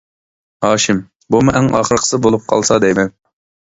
ھاشىم: بۇمۇ ئەڭ ئاخىرقىسى بولۇپ قالسا دەيمەن.